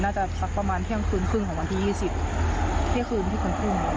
น่าจะสักประมาณเที่ยงคืนครึ่งของวันที่ยี่สิบเที่ยงคืนที่คืนครึ่ง